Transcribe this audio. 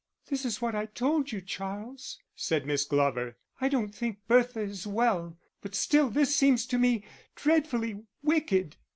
"This is what I told you, Charles," said Miss Glover. "I don't think Bertha is well, but still this seems to me dreadfully wicked."